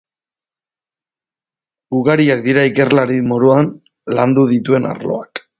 Ugariak dira ikerlari moduan landu dituen arloak.